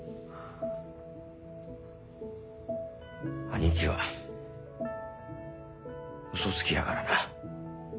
兄貴はうそつきやからな。